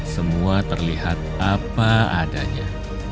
semua terlihat apa adanya